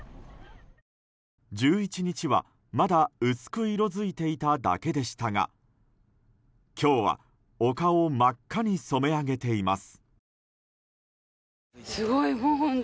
１１日は、まだ薄く色づいていただけでしたが今日は丘を真っ赤に染め上げています。